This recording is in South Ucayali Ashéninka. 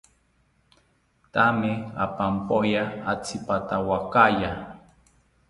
Thame amampaya atzipatawakaya